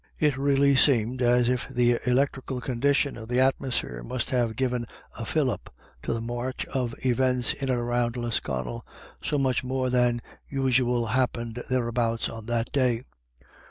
It really seemed as if the electrical condition of the atmosphere must have given a fillip to the march of events in and around Lisconnel, so much more than usual happened thereabouts on that day.